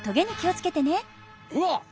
うわっ！